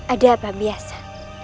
ada apa biasa